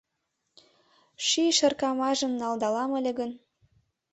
Ший шыркамажым налдалам ыле гын